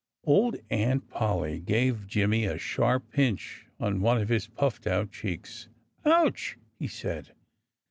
Old Aunt Polly gave Jimmy a sharp pinch on one of his puffed out cheeks. "Ouch!" he said.